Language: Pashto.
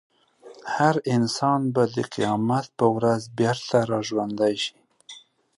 هر انسان به د قیامت په ورځ بېرته راژوندی شي.